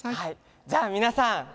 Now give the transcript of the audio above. じゃあみなさん！